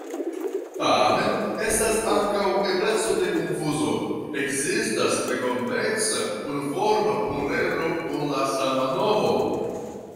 Tamen estas ankaŭ ebleco de konfuzo: ekzistas nekonveksa unuforma pluredro kun la sama nomo.